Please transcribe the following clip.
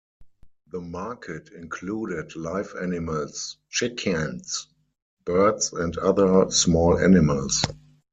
The market included live animals, chickens, birds and other small animals.